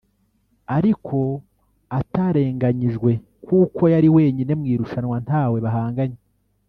ariko atarenganyijwe kuko yari wenyine mu irushanwa ntawe bahanganye